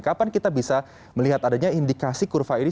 kapan kita bisa melihat adanya indikasi kurva ini